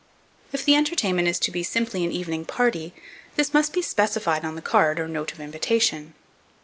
If the entertainment is to be simply an evening party, this must be specified on the card or note of invitation.